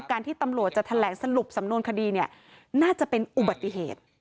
ที่ตำรวจจะแถลงสรุปสำนวนคดีเนี่ยน่าจะเป็นอุบัติเหตุ